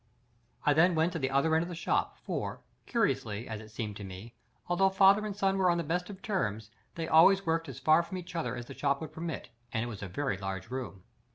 I then went to the other end of the shop, for, curiously, as it seemed to me, although father and son were on the best of terms, they always worked as far from each other as the shop would permit, and it was a very large room.